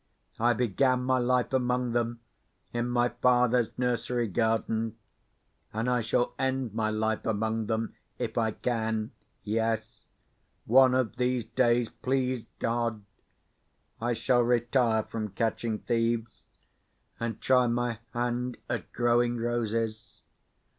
I began my life among them in my father's nursery garden, and I shall end my life among them, if I can. Yes. One of these days (please God) I shall retire from catching thieves, and try my hand at growing roses.